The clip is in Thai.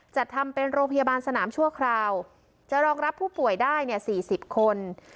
จัดทำเป็นโรงพยาบาลสนามชั่วคราวจะรองรับผู้ป่วยได้เนี่ย๔๐คน